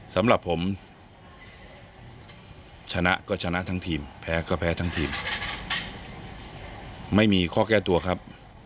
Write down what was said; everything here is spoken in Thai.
สำหรับผมชนะก็ชนะทั้งทีมแพ้ก็แพ้ทั้งทีมไม่มีข้อแก้ตัวครับ